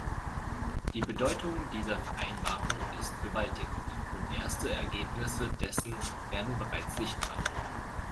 Die Bedeutung dieser Vereinbarung ist gewaltig, und erste Ergebnisse dessen werden bereits sichtbar.